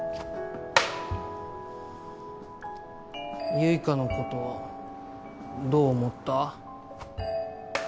結花のことどう思った？